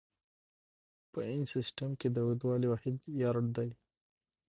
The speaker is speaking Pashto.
په انچ سیسټم کې د اوږدوالي واحد یارډ دی.